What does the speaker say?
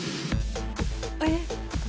えっ？